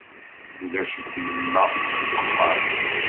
Ulac-itt yemma deg wexxam.